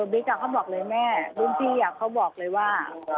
บิ๊กเขาบอกเลยแม่รุ่นพี่เขาบอกเลยว่า